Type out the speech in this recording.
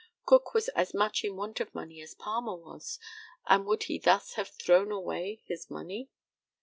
Cook was as much in want of money as Palmer was, and would he thus have thrown away his money?